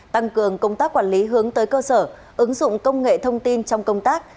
tăng cường công tác quản lý hướng tới cơ sở ứng dụng công nghệ thông tin trong công tác